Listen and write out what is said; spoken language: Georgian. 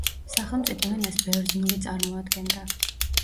სახელმწიფო ენას ბერძნული წარმოადგენდა.